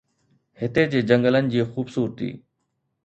هتي جي جنگلن جي خوبصورتي